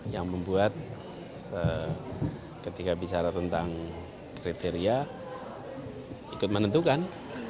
yang membuat ketika bicara tentang kriteria ikut menentukan